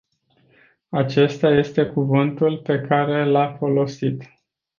Acesta este cuvântul pe care l-a folosit.